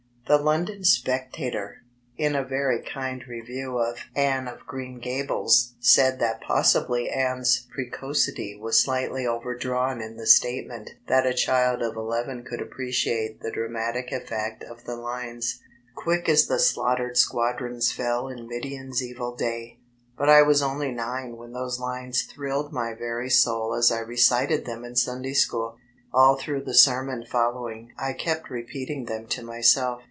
The London Sptctator, in a very kind review oi Annt of D,i„Mb, Google Green Gables said that possibly Anne's precocity was slightly overdrawn in the statement that a child of eleven could appreciate the dramatic effect of the lines, "Quick as the slaughtered squadrons fell In Midian's evil day." But I was only nine when those lines thrilled my very soul as I recited them in Sunday School. All through the sermon following I kept repeating them to myself.